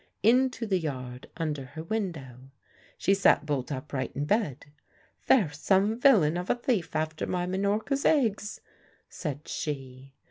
into the yard under her window. She sat bolt upright in bed. "There's some villain of a thief after my Minorca's eggs," said she.